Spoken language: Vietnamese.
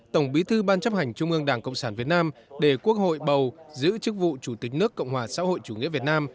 tổng bí thư ban chấp hành trung ương đảng cộng sản việt nam để quốc hội bầu giữ chức vụ chủ tịch nước cộng hòa xã hội chủ nghĩa việt nam